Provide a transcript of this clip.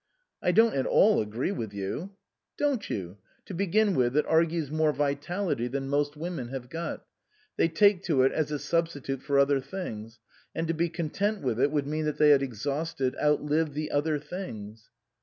" I don't at all agree with you." " Don't you ? To begin with, it argues more vitality than most women have got. They take to it as a substitute for other things ; and to be content with it would mean that they had exhausted, outlived the other things."